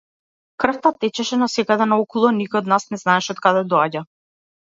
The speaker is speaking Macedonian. Крвта течеше насекаде наоколу, а никој од нас не знаеше од каде доаѓа.